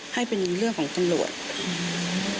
ให้เป็นเรื่องของจังหลวง